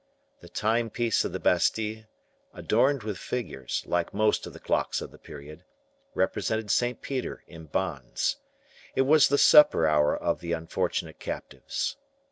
The time piece of the Bastile, adorned with figures, like most of the clocks of the period, represented St. Peter in bonds. It was the supper hour of the unfortunate captives.